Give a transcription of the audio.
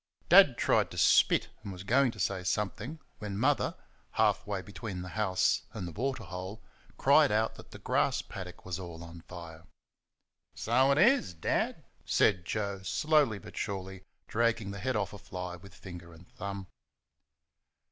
Dad tried to spit, and was going to say something when Mother, half way between the house and the waterhole, cried out that the grass paddock was all on fire. "So it is, Dad!" said Joe, slowly but surely dragging the head off a fly with finger and thumb.